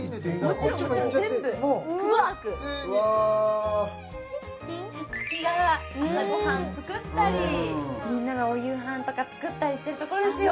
もちろんもちろん全部くまなくもう普通にサツキが朝ごはん作ったりみんながお夕飯とか作ったりしてるところですよ